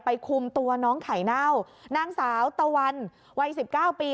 ไปคุมตัวน้องไข่เน่านางสาวตะวันวัย๑๙ปี